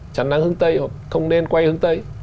chắn nắng hướng tây hoặc không nên quay hướng tây